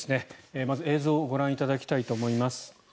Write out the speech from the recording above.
まず映像をご覧いただきたいと思います。